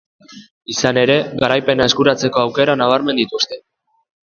Izan ere, garaipena eskuratzeko aukera nabarmen dituzte.